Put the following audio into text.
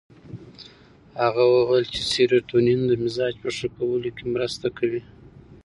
هغه وویل چې سیروتونین د مزاج په ښه کولو کې مرسته کوي.